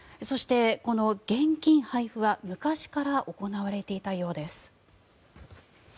そして、この現金配布は昔から行われていたようです。